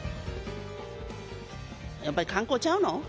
やっぱり観光ちゃうの？